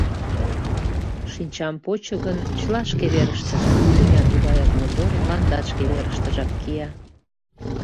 Шинчам почо гын — чыла шке верыштыже: тӱня тугаяк мотор, мландат шке верыштыжак кия.